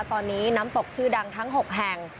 ตอนนี้น้ำตกชื่อดังทั้ง๖แห่ง